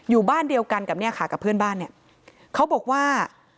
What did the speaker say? อยู่บ้านเดียวกันกับเนี่ยค่ะกับเพื่อนบ้านเนี่ยเขาบอกว่า